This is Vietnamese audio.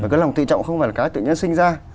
cái lòng tự trọng không phải là cái tự nhiên sinh ra